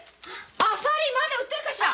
アサリまだ売ってるかしら？